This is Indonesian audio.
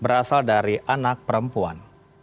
berasal dari anak perempuan